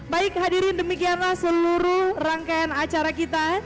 baik hadirin demikianlah seluruh rangkaian acara kita